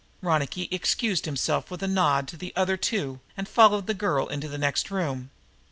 Ronicky excused himself with a nod to the other two and followed the girl into the next room.